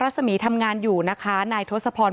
เป็นวันที่๑๕ธนวาคมแต่คุณผู้ชมค่ะกลายเป็นวันที่๑๕ธนวาคม